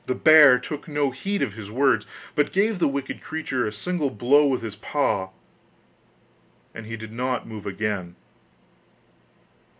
The bear took no heed of his words, but gave the wicked creature a single blow with his paw, and he did not move again.